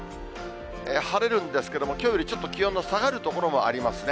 晴れるんですけれども、きょうよりちょっと気温の下がる所もありますね。